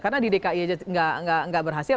karena di dki aja tidak berhasil